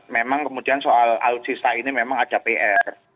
memang kemudian soal alutsista ini memang ada pr